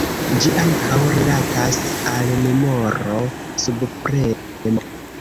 Ĝi ankaŭ rilatas al memoro subpremo.